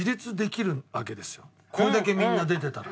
これだけみんな出てたら。